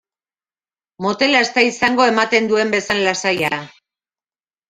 Motela ez da izango ematen duen bezain lasaia.